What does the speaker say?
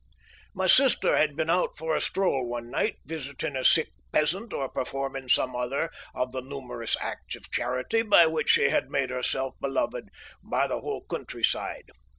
My sister had been out for a stroll one night, visiting a sick peasant or performing some other of the numerous acts of charity by which she had made herself beloved by the whole countryside.